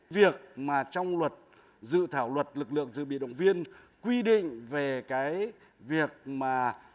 việc mà trong luật dự thảo luật lực lượng dự bị động viên quy định về cái việc mà